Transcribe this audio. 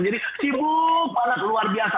jadi sibuk banget luar biasa